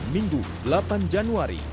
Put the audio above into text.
minggu delapan januari